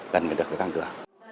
cần phải được phản cửa